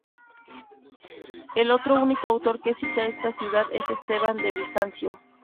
El otro único autor que cita esta ciudad es Esteban de Bizancio.